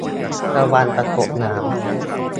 ระวังจะตกน้ำ